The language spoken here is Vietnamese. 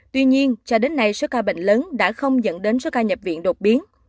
tuy nhiên cho đến nay số ca bệnh lớn đã không dẫn đến số ca nhập viện đột biến